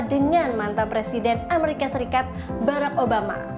dengan mantan presiden as barack obama